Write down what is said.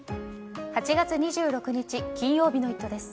８月２６日、金曜日の「イット！」です。